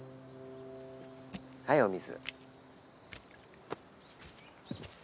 はいお水。